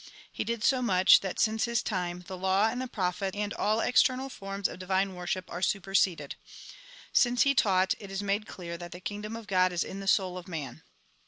He did so much that, since his time, the law and the prophets, and all external forms of divine worship, are superseded. Since he taught, it is made clear that the Kingdom of God is in the soul of man.